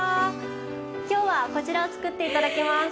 今日はこちらを作っていただきます。